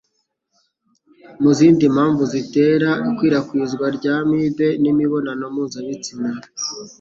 Mu zindi mpamvu zitera ikwirakwizwa ry'Amibe n'imibonano mpuzabitsina